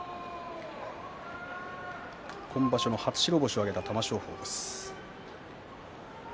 今場所、初白星を挙げた玉正鳳。